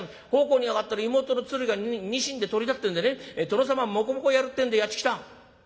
奉公に上がってる妹の鶴がニシンでトリだってんでね殿様もこもこやるってんでやって来た」。